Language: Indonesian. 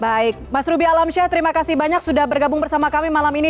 baik mas ruby alamsyah terima kasih banyak sudah bergabung bersama kami malam ini